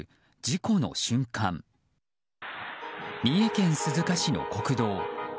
三重県鈴鹿市の国道。